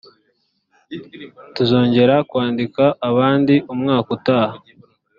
tuzongera kwandikwa abandi umwaka utaha